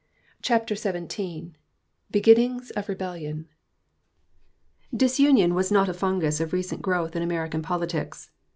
CHAPTER XVII BEGINNINGS OF REBELLION Disunion was not a fungus of recent growth in American politics.